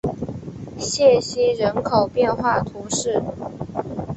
谢西人口变化图示